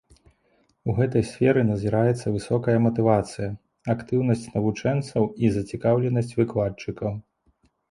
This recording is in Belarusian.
У гэтай сферы назіраецца высокая матывацыя, актыўнасць навучэнцаў і зацікаўленасць выкладчыкаў.